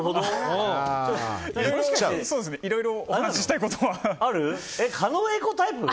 いろいろお話ししたいことも。